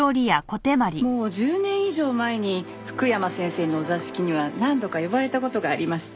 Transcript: もう１０年以上前に福山先生のお座敷には何度か呼ばれた事がありました。